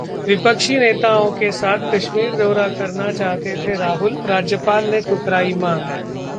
विपक्षी नेताओं के साथ कश्मीर दौरा करना चाहते थे राहुल, राज्यपाल ने ठुकराई मांग